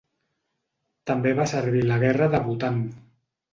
També va servir a la guerra de Bhutan.